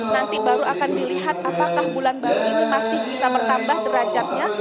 nanti baru akan dilihat apakah bulan baru ini masih bisa bertambah derajatnya